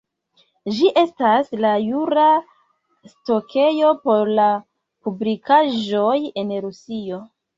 Ĝi estas la jura stokejo por la publikaĵoj en Rusio.